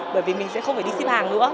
bởi vì mình sẽ không phải đi xếp hàng nữa